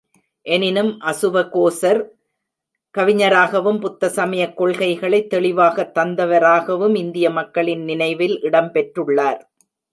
எனினும் அசுவகோசர் கவிஞராகவும் புத்த சமயக் கொள்கைகளைத் தெளிவாகத் தந்தவராகவும் இந்திய மக்களின் நினைவில் இடம்பெற்றுள்ளார்.